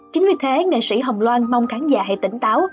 chính vì thế nghệ sĩ hồng loan mong khán giả hãy tỉnh táo